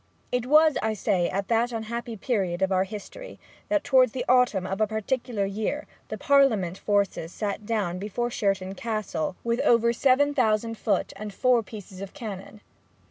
It was, I say, at that unhappy period of our history, that towards the autumn of a particular year, the Parliament forces sat down before Sherton Castle with over seven thousand foot and four pieces of cannon.